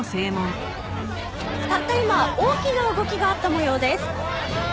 たった今大きな動きがあった模様です。